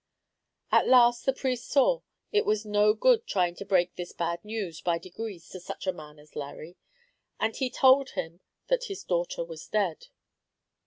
At last the priest saw it was no good trying to break this bad news, by degrees, to such a man as Larry; and he told him that his daughter was dead.